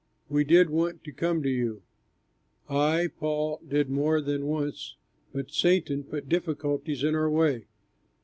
We did want to come to you I, Paul, did more than once, but Satan put difficulties in our way.